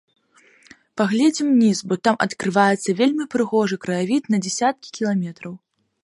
Паглядзім уніз, бо там адкрываецца вельмі прыгожы краявід на дзесяткі кіламетраў.